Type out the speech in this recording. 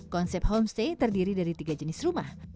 konsep homestay terdiri dari tiga jenis rumah